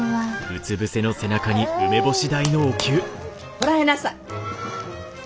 こらえなさい！